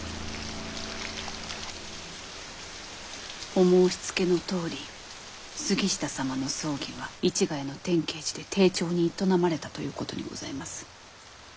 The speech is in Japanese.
お申しつけのとおり杉下様の葬儀は市ヶ谷の天桂寺で丁重に営まれたということにございます。